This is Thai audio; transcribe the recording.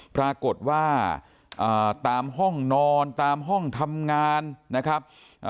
ปรากฏว่าตามห้องนอนตามห้องทำงานนะครับ